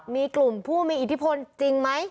มีกลุ่มผู้มีอิทธิพลจริงไหม